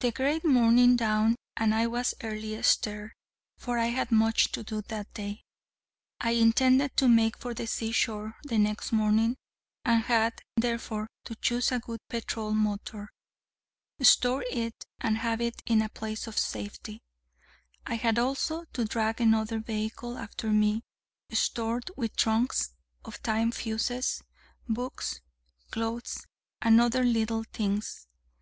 The great morning dawned, and I was early a stir: for I had much to do that day. I intended to make for the sea shore the next morning, and had therefore to choose a good petrol motor, store it, and have it in a place of safety; I had also to drag another vehicle after me, stored with trunks of time fuses, books, clothes, and other little things.